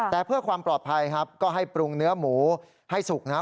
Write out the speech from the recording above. แต่เพื่อความปลอดภัยครับก็ให้ปรุงเนื้อหมูให้สุกนะครับ